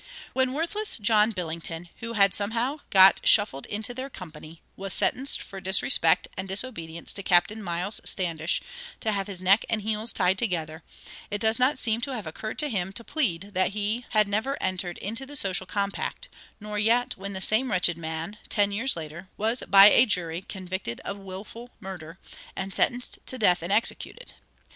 When worthless John Billington, who had somehow got "shuffled into their company," was sentenced for disrespect and disobedience to Captain Myles Standish "to have his neck and heels tied together," it does not seem to have occurred to him to plead that he had never entered into the social compact; nor yet when the same wretched man, ten years later, was by a jury convicted of willful murder, and sentenced to death and executed.